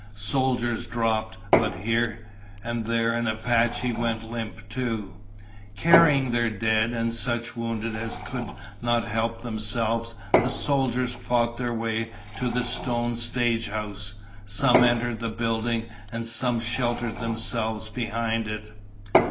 Soldiers dropped, but here and there an Apache went limp too. Carrying their dead and such wounded as could not help themselves, the soldiers fought their way to the stone stagehouse. Some entered the building, and some sheltered themselves behind it.